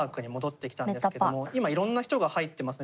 今色んな人が入ってますね。